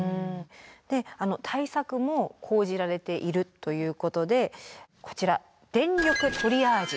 で対策も講じられているということでこちら「電力トリアージ」。